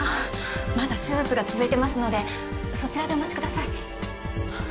まだ手術が続いてますのでそちらでお待ちください。